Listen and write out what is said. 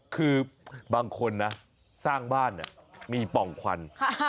คือบางคนนะสร้างบ้านเนี่ยมีป่องควัน